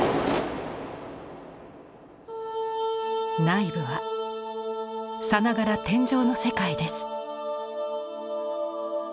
内部はさながら天上の世界です。